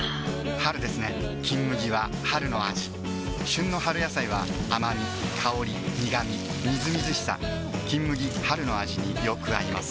春ですね「金麦」は春の味旬の春野菜は甘み香り苦みみずみずしさ「金麦」春の味によく合います